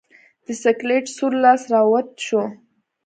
د سکلیټ سور لاس راوت شو.